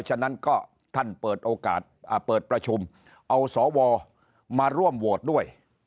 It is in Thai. ฉะนั้นก็ท่านเปิดโอกาสเปิดประชุมเอาสวมาร่วมโหวตด้วย